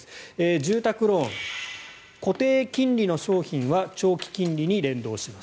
住宅ローン、固定金利の商品は長期金利に連動します。